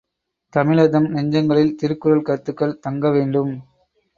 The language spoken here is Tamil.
தமிழர்தம் நெஞ்சங்களில் திருக்குறள் கருத்துக்கள் தங்கவேண்டும்.